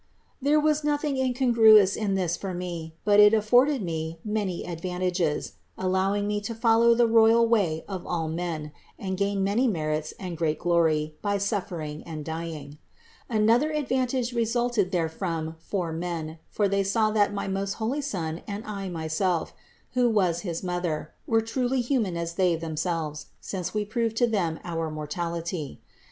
There was nothing in congruous in this for me, but it afforded me many ad vantages, allowing me to follow the royal way of all men and gain many merits and great glory by suffering and dying. Another advantage resulted therefrom for men, for they saw that my most holy Son and I myself, who was his Mother, were truly human as they them selves, since we proved to them our mortality.